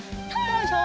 よいしょ！